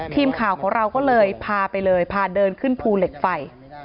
ทีมข่าวของเราก็เลยพาไปเลยพาเดินขึ้นภูเหล็กไฟ